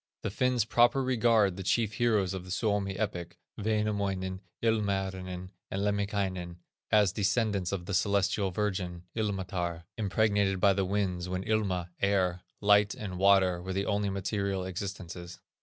The Finns proper regard the chief heroes of the Suomi epic, Wainamoinen, Ilmarinen, and Lemminkainen, as descendants of the Celestial Virgin, Ilmatar, impregnated by the winds when Ilma (air), Light, and Water were the only material existences.